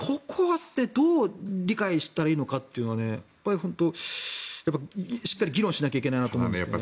ここはどう理解したらいいのかっていうのは本当、しっかり議論しなきゃいけないなと思います。